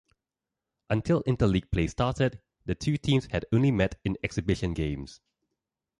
Until Interleague play started, the two teams had only met in exhibition games.